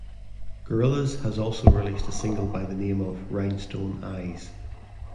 Gorillaz has also released a single by the name of "Rhinestone Eyes".